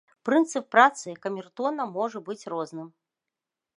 Прынцып працы камертона можа быць розным.